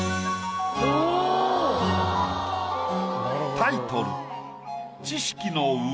タイトル